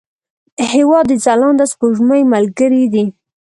هېواد د ځلانده سپوږمۍ ملګری دی.